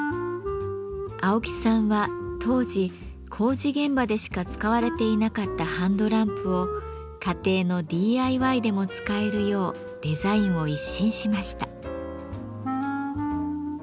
青木さんは当時工事現場でしか使われていなかったハンドランプを家庭のＤＩＹでも使えるようデザインを一新しました。